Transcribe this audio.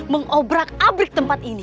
mengobrak abrik tempat ini